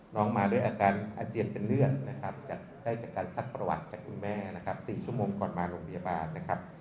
มาด้วยอาการอาเจียนเป็นเลือดนะครับได้จากการซักประวัติจากคุณแม่นะครับ๔ชั่วโมงก่อนมาโรงพยาบาลนะครับ